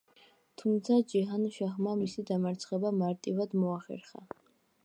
თუმცა ჯეჰან-შაჰმა მისი დამარცხება მარტივად მოახერხა.